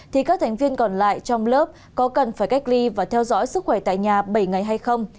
thì các thành viên còn lại trong lớp có cần phải cách ly và theo dõi sức khỏe tại nhà bảy ngày hay không